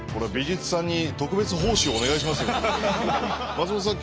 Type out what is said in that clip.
松本さん